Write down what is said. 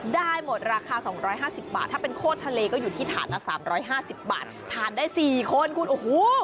ได้หมดราคา๒๕๐บาทถ้าเป็นโคตรทะเลก็อยู่ที่ฐานละ๓๕๐บาททานได้๔คนคุณโอ้โห